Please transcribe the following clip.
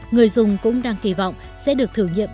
người dùng cũng đang kỳ vọng sẽ được thử nghiệm